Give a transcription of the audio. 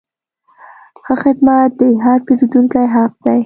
ښه خدمت د هر پیرودونکي حق دی.